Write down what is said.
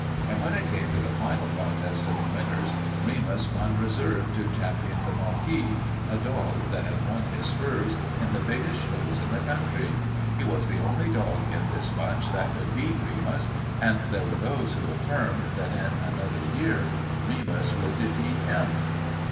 And when it came to the final contest of the winners, Remus won reserve to Ch. The Marquis, a dog that had won his spurs in the biggest shows in the country. He was the only dog in this bunch that could beat Remus, and there were those who affirmed that in another year Remus would defeat him.